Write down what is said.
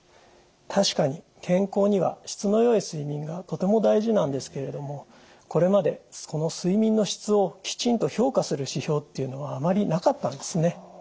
確かに健康には質の良い睡眠がとても大事なんですけれどもこれまでその睡眠の質をきちんと評価する指標っていうのはあまりなかったんですね。